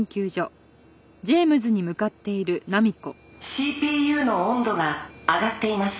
「ＣＰＵの温度が上がっています」